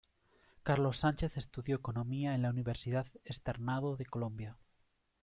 Carlos Sánchez estudió economía en la Universidad Externado de Colombia.